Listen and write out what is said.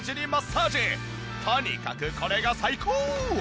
とにかくこれが最高！